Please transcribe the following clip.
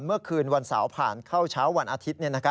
เมื่อคืนวันเสาร์ผ่านเข้าเช้าวันอาทิตย์